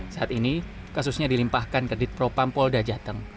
saat ini kasusnya dilimpahkan kredit propampol dajateng